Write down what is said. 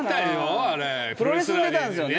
プロレスに出たんすよね。